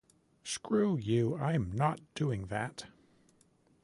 Screw you, I'm not doing that